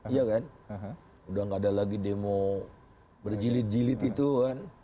iya kan udah gak ada lagi demo berjilid jilid itu kan